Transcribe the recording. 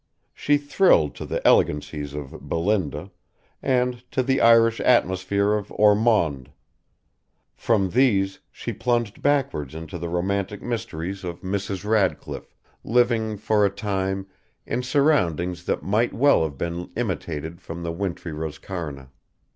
She thrilled to the elegancies of Belinda and to the Irish atmosphere of Ormond. From these she plunged backwards into the romantic mysteries of Mrs. Radcliffe, living, for a time, in surroundings that might well have been imitated from the wintry Roscarna.